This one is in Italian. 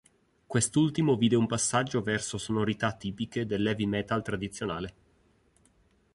Quest’ultimo vide un passaggio verso sonorità tipiche dell’heavy metal tradizionale.